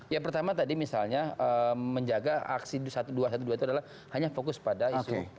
ya pertama tadi misalnya menjaga aksi dua ratus dua belas itu adalah hanya fokus pada isu